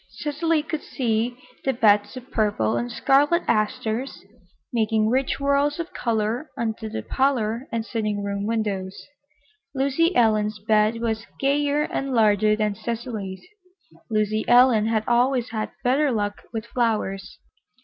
Cecily could see the beds of purple and scarlet asters, making rich whorls of color under the parlor and sitting room windows. Lucy Ellen's bed was gayer and larger than Cecily's. Lucy Ellen had always had better luck with flowers.